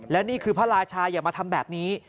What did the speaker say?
และนี่คือพระราชาอย่ามาทำแบบนี้